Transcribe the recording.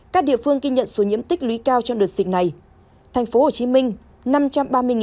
các địa phương ghi nhận số nhiễm tích lý cao trong đợt dịch này